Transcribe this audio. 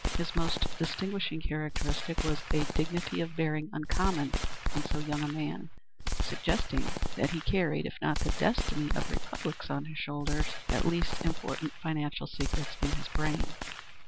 His most distinguishing characteristic was a dignity of bearing uncommon in so young a man, suggesting that he carried, if not the destiny of republics on his shoulders, at least, important financial secrets in his brain.